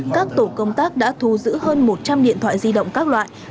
các tổ công tác đã thu giữ hơn một trăm linh điện thoại di động các loại